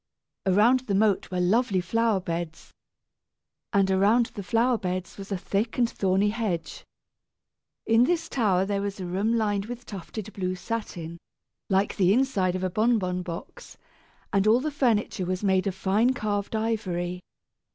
Around the moat were lovely flower beds, and around the flower beds was a thick and thorny hedge. In this tower there was a room lined with tufted blue satin, like the inside of a bonbon box, and all the furniture was made of fine carved ivory.